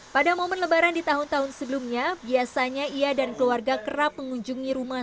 pada momen lebaran di tahun tahun sebelumnya biasanya ia dan keluarga kerap mengunjungi rumah